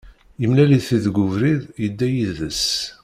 Yemlal-it-id deg ubrid, yedda yid-s.